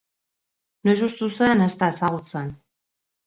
Noiz hustu zen ez da ezagutzen.